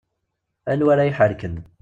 Anwa ara iḥerken.